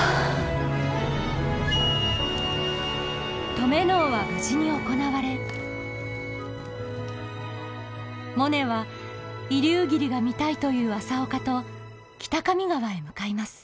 登米能は無事に行われモネは移流霧が見たいという朝岡と北上川へ向かいます。